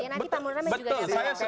nanti pak mularman juga bisa jawab